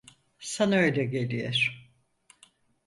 Sana öyle geliyor.